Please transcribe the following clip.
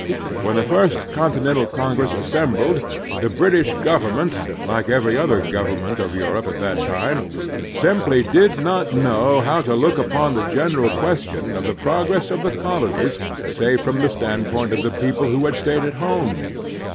When the first Continental Congress Manhood and Statehood 235 assembled, the British government, like every other government of Europe at that time, simply did not know how to look upon the general ques tion of the progress of the colonies save from the standpoint of the people who had stayed at home.